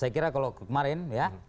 saya kira kalau kemarin ya